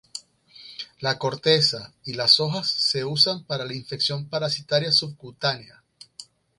La corteza y las hojas se usan para la infección parasitaria subcutánea.